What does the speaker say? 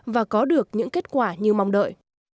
và có được những kết quả như mong đợi